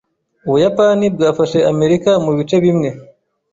Ubuyapani bwafashe Amerika mubice bimwe.